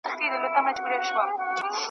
تور یې خپور کړ په ګوښه کي غلی غلی .